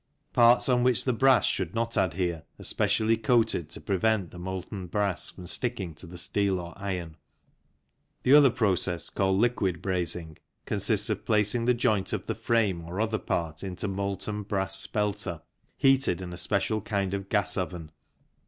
Parts on which the brass should not adhere are specially coated to prevent the molten brass from sticking to the steel or iron. The other process, called liquid brazing, consists of placing the joint of the frame or other part into molten brass spelter, heated in a special kind of gas oven.